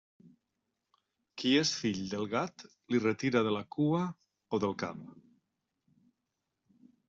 Qui és fill del gat, li retira de la cua o del cap.